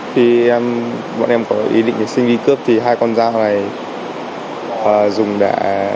khi bọn em có ý định xin đi cướp thì hai con dao này dùng để